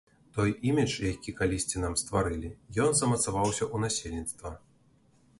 Той імідж, які калісьці нам стварылі, ён замацаваўся ў насельніцтва.